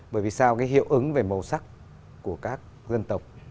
bởi vì sao cái hiệu ứng về màu sắc của các dân tộc